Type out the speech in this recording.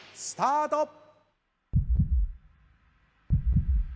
スタート。